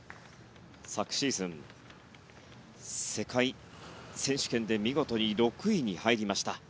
昨シーズン世界選手権で見事に６位に入りました。